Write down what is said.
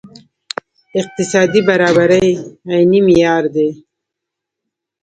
اقتصادي برابري عیني معیار دی.